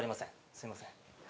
すいません。